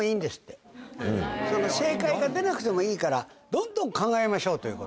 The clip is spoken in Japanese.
正解が出なくてもいいからどんどん考えましょうということ。